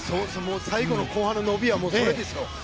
最後の後半の伸びはそうですよ。